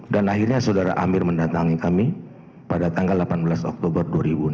dan akhirnya saudara amir mendatangi kami pada tanggal delapan belas oktober dua ribu enam belas